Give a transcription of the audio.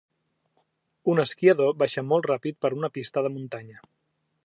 Un esquiador baixa molt ràpid per una pista de muntanya.